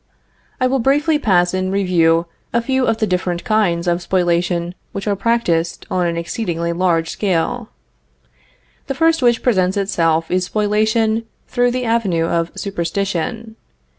I will briefly pass in review a few of the different kinds of spoliation which are practiced on an exceedingly large scale. The first which presents itself is spoliation through the avenue of superstition.